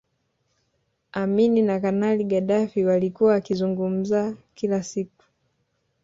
Amin na Kanali Gaddafi walikuwa wakizungumza kila siku